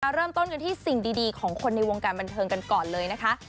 เริ่มต้นกันที่สิ่งดีของคนในวงการบันเทิงกันก่อนเลยนะคะ